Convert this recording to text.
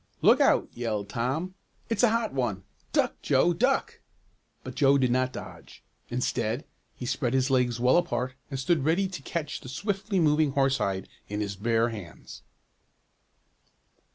"Look out!" yelled Tom. "That's a hot one! Duck, Joe, duck!" But Joe did not dodge. Instead, he spread his legs well apart and stood ready to catch the swiftly moving horsehide in his bare hands.